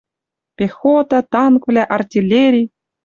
Пехота, танквлӓ, артиллери